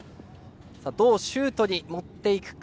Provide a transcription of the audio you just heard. どうシュートに持っていくか。